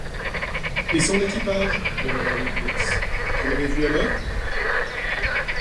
Et son équipage, demanda Will Mitz, vous l’avez vu à l’œuvre?...